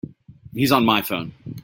He's on my phone.